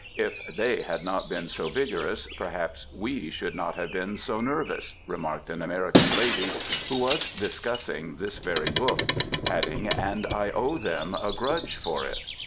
^^ If they had not been so vigorous, perhaps, we should not have been so nervous,^ remarked an American lady, who was discussing this very book, adding, '* and I owe them a grudge for it.